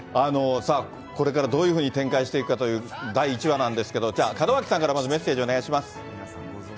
これからどういうふうに展開していくかという第１話なんですけど、じゃあ門脇さんからまずメッセージお願いします。